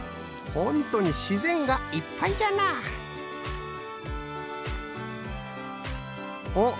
ほんとに自然がいっぱいじゃなおっ？